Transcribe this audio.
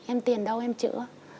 em tiền đâu em chữa